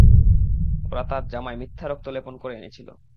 ওরা তার জামায় মিথ্যা রক্ত লেপন করে এনেছিল।